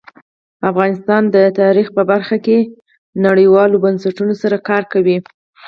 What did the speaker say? افغانستان د تاریخ په برخه کې نړیوالو بنسټونو سره کار کوي.